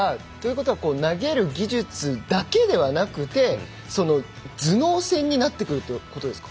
投げる技術だけではなくて頭脳戦になってくるということですか？